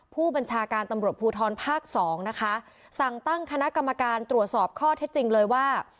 ผู้บัญชาการตำรวจภูทรภาคสองนะคะสั่งตั้งคณะกรรมการตรวจสอบข้อเท็จจริงเลยว่า